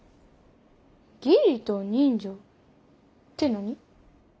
義理と人情って何？